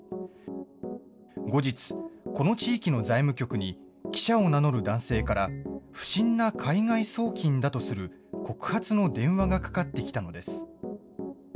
後日、この地域の財務局に記者を名乗る男性から、不審な海外送金だとする告発の電話がかかってきたのです。